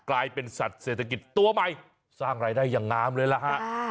กลายเป็นสัตว์เศรษฐกิจตัวใหม่สร้างรายได้อย่างงามเลยล่ะฮะ